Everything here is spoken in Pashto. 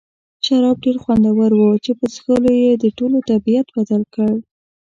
شراب ډېر خوندور وو چې په څښلو یې د ټولو طبیعت بدل کړ.